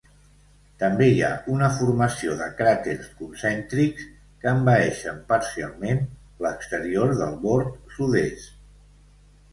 També hi ha una formació de cràters concèntrics que envaeixen parcialment l'exterior del bord sud-est.